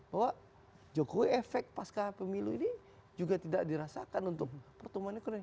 bahwa jokowi efek pasca pemilu ini juga tidak dirasakan untuk pertumbuhan ekonomi